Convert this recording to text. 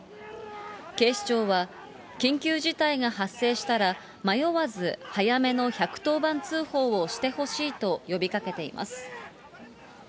警視庁は、緊急事態が発生したら、迷わず早めの１１０番通報をしてほしいと呼びかけています。